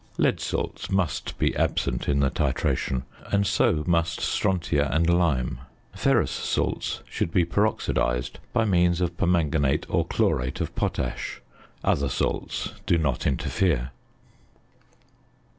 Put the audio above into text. Lead salts must be absent in the titration, and so must strontia and lime. Ferrous salts should be peroxidised by means of permanganate or chlorate of potash. Other salts do not interfere.